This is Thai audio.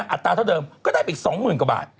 อัตราเท่าเดิมก็ได้ไปอีก๒๐๐๐กว่าบาท